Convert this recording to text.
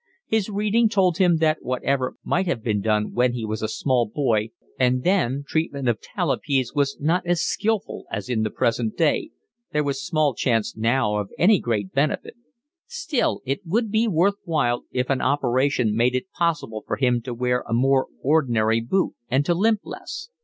His reading told him that whatever might have been done when he was a small boy, and then treatment of talipes was not as skilful as in the present day, there was small chance now of any great benefit. Still it would be worth while if an operation made it possible for him to wear a more ordinary boot and to limp less.